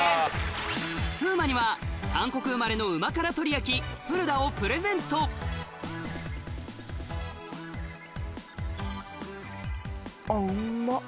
風磨には韓国生まれのうま辛鳥焼きプルダッをプレゼントあっうまっ。